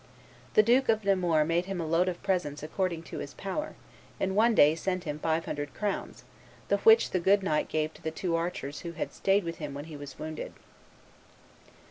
The Duke of Nemours made him a load of presents according to his power, and one day sent him five hundred crowns, the which the good knight gave to the two archers who had staid with him when he was wounded."